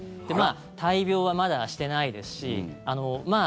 大病はまだしてないですしまあ